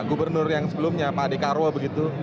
gubernur yang sebelumnya pak dekarwo begitu